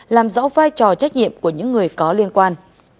làm rõ vai trò trách nhiệm của những người có liên quan